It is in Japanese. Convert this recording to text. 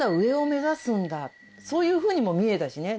そういうふうにも見えたしね。